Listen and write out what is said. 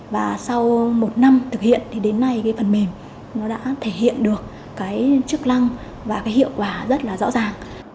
và sau một năm thực hiện đến nay phần mềm đã thể hiện được chức lăng và hiệu quả rất rõ ràng